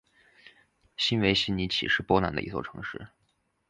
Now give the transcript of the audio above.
新维希尼奇是波兰的一座城市。